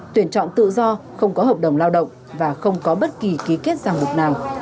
tuyển chọn tự do không có hợp đồng lao động và không có bất kỳ ký kết giảng buộc nào